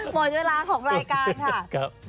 หมดเวลาของรายการค่ะ